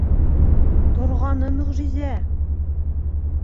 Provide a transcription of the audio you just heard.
Торғаны мөғжизә!